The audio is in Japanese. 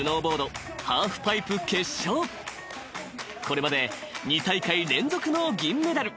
［これまで２大会連続の銀メダル］